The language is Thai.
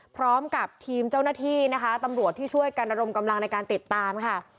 พร้อมกับทีมเจ้าหน้าที่นะคะตำรวจที่ช่วยกันระดมกำลังในการติดตามค่ะ